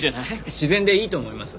自然でいいと思います。